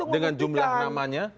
dengan jumlah namanya